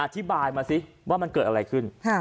อธิบายมาสิว่ามันเกิดอะไรขึ้น